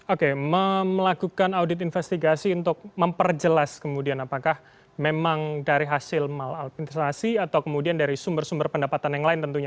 oke melakukan audit investigasi untuk memperjelas kemudian apakah memang dari hasil maladministrasi atau kemudian dari sumber sumber pendapatan yang lain tentunya